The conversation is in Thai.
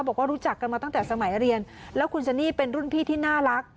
บอกว่ารู้จักกันมาตั้งแต่สมัยเรียนแล้วคุณซันนี่เป็นรุ่นพี่ที่น่ารัก